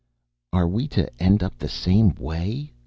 "Are we to end up the same way?"